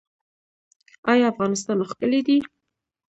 آیا افغانستان ښکلی دی؟